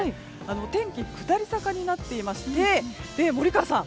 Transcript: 天気、下り坂になっていまして森川さん